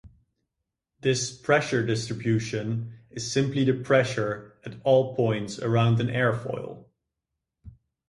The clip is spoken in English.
This pressure distribution is simply the pressure at all points around an airfoil.